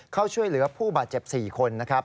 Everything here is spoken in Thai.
เข้าช่วยเหลือผู้บาดเจ็บ๔คนนะครับ